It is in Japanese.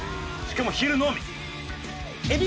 しかも昼のみ！